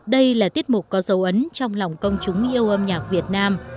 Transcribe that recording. đây là tiết mục có dấu ấn trong lòng công chúng yêu âm nhạc việt nam